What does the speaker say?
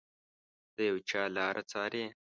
د یو چا لاره څاري